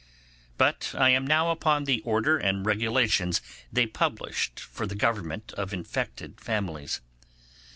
But I am now upon the order and regulations they published for the government of infected families.